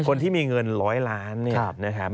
คนที่มีเงิน๑๐๐ล้านเนี่ย